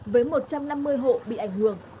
với một trăm năm mươi hộ bị ảnh hưởng